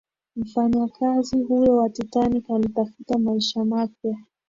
mfanyakazi huyo wa titanic alitafuta maisha mapya